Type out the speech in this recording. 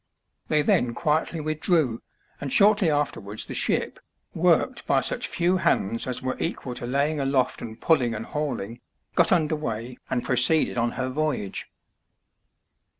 They then quietly withdrew, and shortly afterwards the ship, worked by such few hands as were equal to laying aloft and pulling and hauling, got under weigh and proceeded on her voyage.